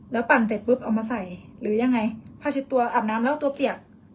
แล้วปั่นเสร็จปุ๊บเอามาใส่หรือยังไงผ้าเช็ดตัวอาบน้ำแล้วตัวเปียก